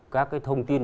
các cái thông tin